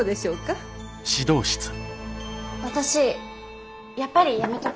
私やっぱりやめとく。